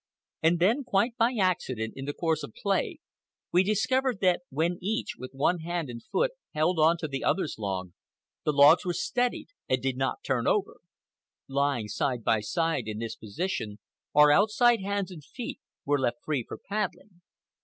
And then, quite by accident, in the course of play, we discovered that when each, with one hand and foot, held on to the other's log, the logs were steadied and did not turn over. Lying side by side in this position, our outside hands and feet were left free for paddling.